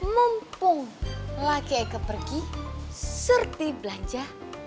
mumpung lagi eka pergi surti belanja